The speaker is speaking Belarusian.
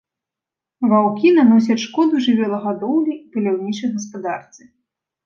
Ваўкі наносіць шкоду жывёлагадоўлі і паляўнічай гаспадарцы.